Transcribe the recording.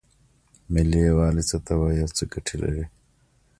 ملي یووالی څه ته وایې او څه ګټې لري؟